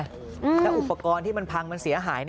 แล้วอุปกรณ์ที่มันพังมันเสียหาย